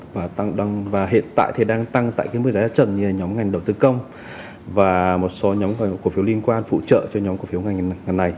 và tăng và hiện tại thì đang tăng tại cái mức giá trần như nhóm ngành đầu tư công và một số nhóm cổ phiếu liên quan phụ trợ cho nhóm cổ phiếu ngành này